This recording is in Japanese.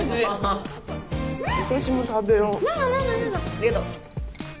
ありがとう。